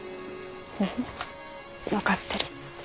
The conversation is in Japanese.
ううん分かってる。